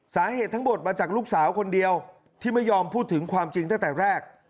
สาเหตุทั้งหมดมาจากลูกสาวคนเดียวที่ไม่ยอมพูดถึงความจริงตั้งแต่แรก